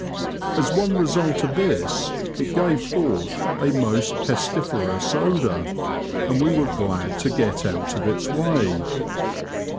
As one result of this, it gave forth a most pestiferous odour, and we were glad to get out of its way.